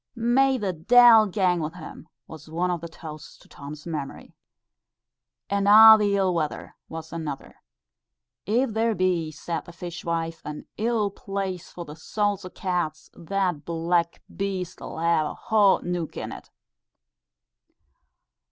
"May the deil gang wi' him," was one of the toasts to Tom's memory. "And a' the ill weather," was another. "If there be," said the fishwife, "an ill place for the souls o' cats, that black beast 'll hae a hot neuk in't."